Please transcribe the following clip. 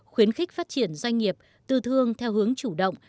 khuyến khích phát triển doanh nghiệp tư thương theo hướng chủ động